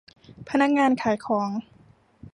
พนักงานขายของ